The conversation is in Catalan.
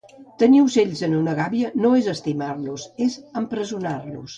Tenir ocells en una gàbia no és estimar-los és empresonar-los.